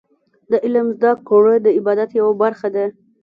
د علم زده کړه د عبادت یوه برخه ده.